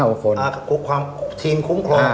คุ้มครองทีมคุ้มครอง